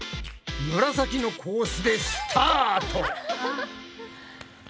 紫のコースでスタート。